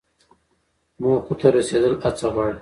موخو ته رسیدل هڅه غواړي.